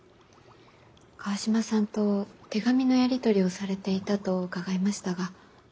川島さんと手紙のやり取りをされていたと伺いましたが。